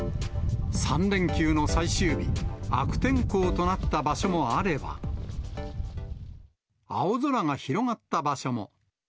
３連休の最終日、悪天候となった場所もあれば、青空が広がった場所も。